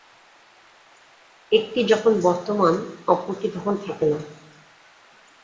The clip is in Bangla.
একটি যখন বর্তমান, অপরটি তখন থাকে না।